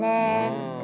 うん。